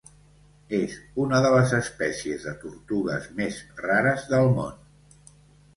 És una de les espècies de tortugues més rares del món.